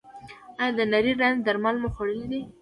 ایا د نري رنځ درمل مو خوړلي دي؟